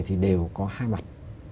thì đều có hai mặt